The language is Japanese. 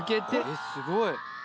えっすごい。